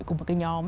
cùng một cái nhóm